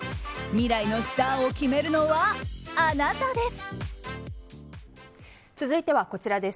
未来のスターを決めるのはあなたです！